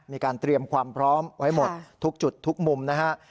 มีการเตรียมความพร้อมไว้หมดทุกจุดทุกมุมนะฮะ